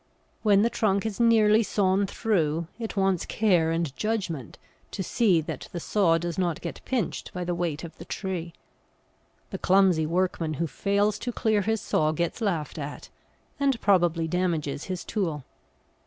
When the trunk is nearly sawn through, it wants care and judgment to see that the saw does not get pinched by the weight of the tree; the clumsy workman who fails to clear his saw gets laughed at, and probably damages his tool.